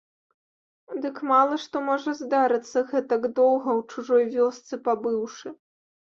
Дык мала што можа здарыцца, гэтак доўга ў чужой вёсцы пабыўшы.